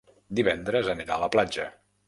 Divendres anirà a la platja.